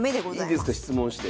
いいですか質問して。